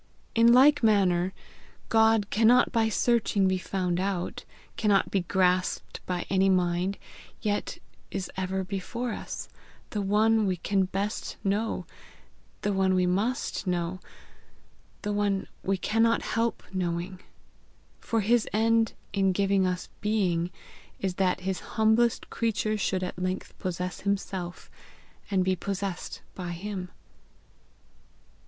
In like manner God cannot by searching be found out, cannot be grasped by any mind, yet is ever before us, the one we can best know, the one we must know, the one we cannot help knowing; for his end in giving us being is that his humblest creature should at length possess himself, and be possessed by him."